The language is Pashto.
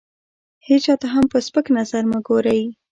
هېچا ته هم په سپک نظر مه ګورئ!